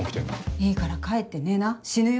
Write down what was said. いいから帰って寝な死ぬよ。